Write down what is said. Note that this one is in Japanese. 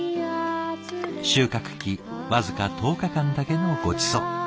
収穫期僅か１０日間だけのごちそう。